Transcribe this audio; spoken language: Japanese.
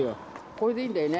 これでいいんだよね？